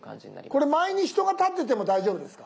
これ前に人が立ってても大丈夫ですか？